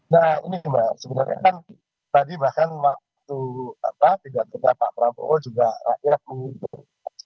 nah ini mbak sebenarnya kan tadi bahkan waktu pidatonya pak prabowo juga rakyat menguntung